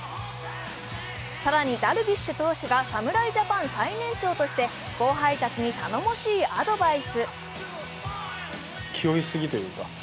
更に、ダルビッシュ投手が侍ジャパン最年少として後輩たちに頼もしいアドバイス。